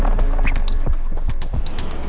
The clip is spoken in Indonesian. ya tuhan mas rindy pasti sangat tertekan